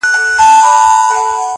په خپل لاس مي دا تقدیر جوړ کړ ته نه وې-